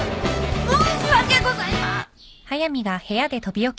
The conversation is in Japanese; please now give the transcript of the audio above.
申し訳ございま。